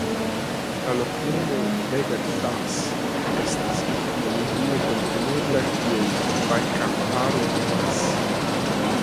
La loknomo "Vega de Pas" estas etimologie komprenebla kiel "Valkamparo de Pas".